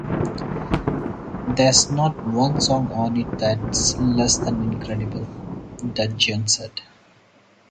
"There's not one song on it that's less than incredible," Dudgeon said.